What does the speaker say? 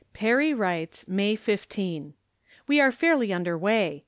Perry writes, May 15 : We are fairly under way.